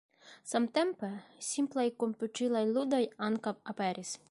Samtempe, simplaj komputilaj ludoj ankaŭ aperis.